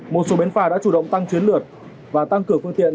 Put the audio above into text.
một số bến phà đã chủ động tăng chuyến lượt và tăng cường phương tiện